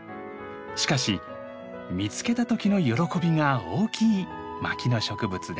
しかし見つけたときの喜びが大きい牧野植物です。